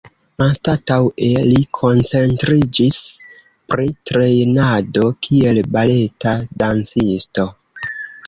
Anstataŭe li koncentriĝis pri trejnado kiel baleta dancisto.